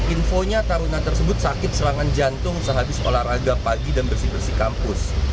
infonya taruna tersebut sakit serangan jantung sehabis olahraga pagi dan bersih bersih kampus